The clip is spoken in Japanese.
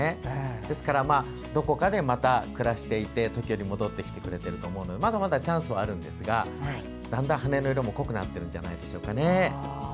ですからどこかでまた暮らしていて時折戻ってきてくれると思うのでまだまだチャンスはあるんですがだんだん羽の色も濃くなっているんじゃないでしょうかね。